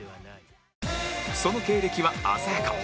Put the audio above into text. その経歴は鮮やか